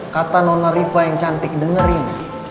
kata nona riva yang cantik dengerin